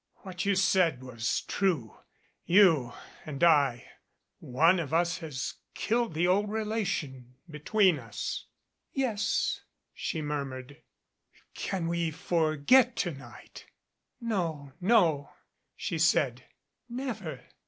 "What you said was true. You and I one of us has killed the old rela tion between us." "Yes," she murmured. "Can we forget to night " "No, no," she said. "Never.